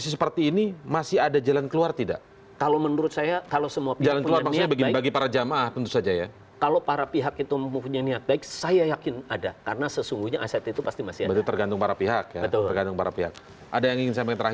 first travel bertanggung jawab aset aset